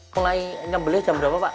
mulai nyembelih jam berapa pak